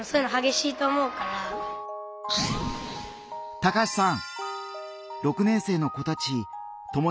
高橋さん。